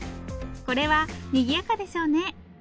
これはにぎやかでしょうね。